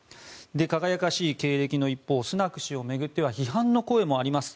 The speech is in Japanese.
輝かしい経歴の一方スナク氏を巡っては批判の声もあります。